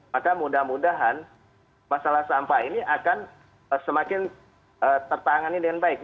maka mudah mudahan masalah sampah ini akan semakin tertangani dengan baik